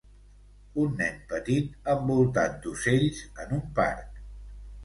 Un nen petit envoltat d'ocells en un parc.